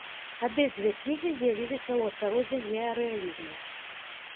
Абедзве кнігі з'явіліся ў асяроддзі неарэалізму.